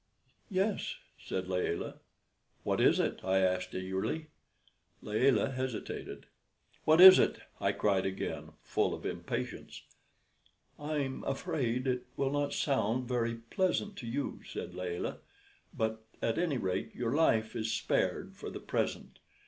"Yes," said Layelah. "What is it?" I asked, eagerly. Layelah hesitated. "What is it?" I cried again, full of impatience. "I'm afraid it will not sound very pleasant to you," said Layelah, "but at any rate your life is spared for the present.